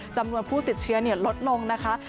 จำนวนผู้ติดเชื้อลดลงนะคะ